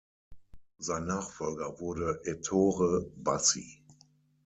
Sein Nachfolger wurde Ettore Bassi.